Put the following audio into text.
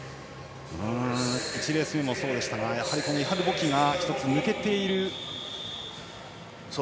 １レース目もそうでしたがイハル・ボキが１つ抜けているという。